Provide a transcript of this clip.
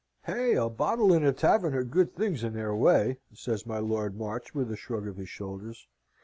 "Hey! a bottle and a tavern are good things in their way," says my Lord March, with a shrug of his shoulders.